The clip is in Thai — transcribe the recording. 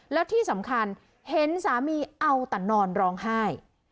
แล้วที่สำคัญเห็นสามีเอาแต่นอนร้องไห้